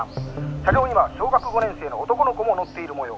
車両には小学５年生の男の子も乗っているもよう。